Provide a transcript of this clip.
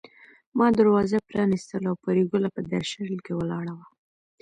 ما دروازه پرانيستله او پري ګله په درشل کې ولاړه وه